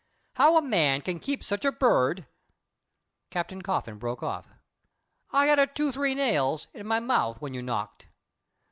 How a man can keep such a bird " Captain Coffin broke off. "I had a two three nails in my mouth when you knocked.